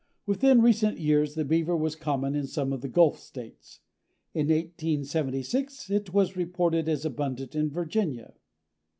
Within recent years the Beaver was common in some of the Gulf States. In 1876 it was reported as abundant in Virginia.